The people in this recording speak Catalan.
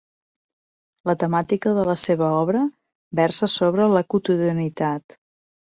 La temàtica de la seva obra versa sobre la quotidianitat.